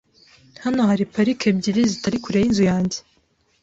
Hano hari parike ebyiri zitari kure yinzu yanjye .